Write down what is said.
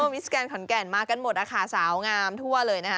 มิสแกนขอนแก่นมากันหมดนะคะสาวงามทั่วเลยนะคะ